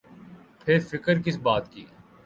پھر فکر کس بات کی۔